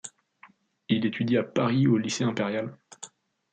Il étudie à Paris, au Lycée Impérial.